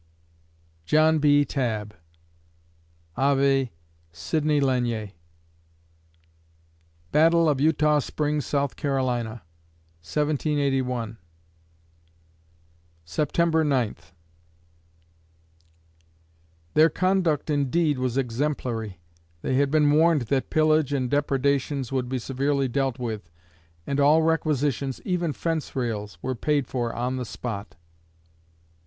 JOHN B. TABB (Ave: Sidney Lanier) Battle of Eutaw Springs, S. C., 1781 September Ninth Their conduct indeed was exemplary. They had been warned that pillage and depredations would be severely dealt with, and all requisitions, even fence rails, were paid for on the spot.